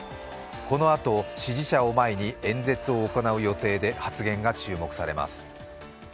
このあと支持者を前に演説を行う予定で発言が注目されます。